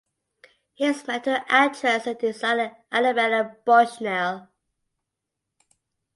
He is married to actress and designer Arabella Bushnell.